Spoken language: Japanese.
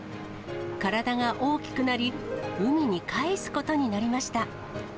体が大きくなり、海に帰すことになりました。